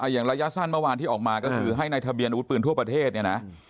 อย่างระยะสั้นเมื่อวานที่ออกมาก็คือให้ในทะเบียนอาวุธปืนทั่วประเทศเนี่ยนะ